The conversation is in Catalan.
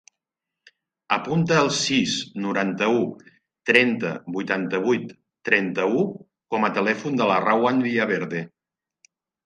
Apunta el sis, noranta-u, trenta, vuitanta-vuit, trenta-u com a telèfon de la Rawan Villaverde.